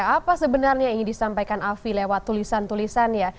apa sebenarnya yang ingin disampaikan afi lewat tulisan tulisan